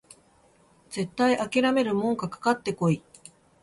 絶対あきらめるもんかかかってこい！